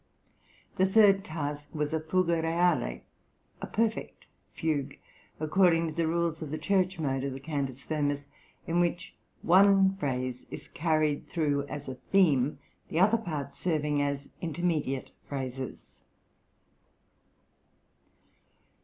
The third task was a fuga reale, a perfect fugue, according to the rules of the church mode of the Cantus firmus, in which one phrase is carried through as a theme, the other parts serving as intermediate phrases.